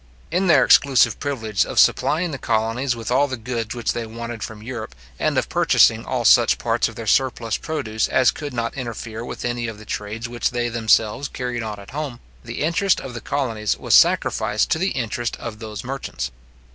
In their exclusive privilege of supplying the colonies with all the goods which they wanted from Europe, and of purchasing all such parts of their surplus produce as could not interfere with any of the trades which they themselves carried on at home, the interest of the colonies was sacrificed to the interest of those merchants.